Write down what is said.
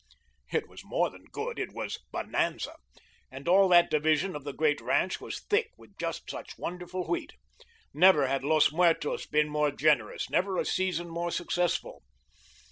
It was more than good; it was "bonanza," and all that division of the great ranch was thick with just such wonderful wheat. Never had Los Muertos been more generous, never a season more successful.